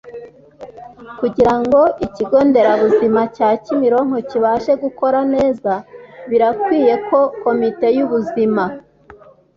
Kugira ngo Ikigo Nderabuzima cya Kimironko kibashe gukora neza birakwiye ko Komite y ubuzima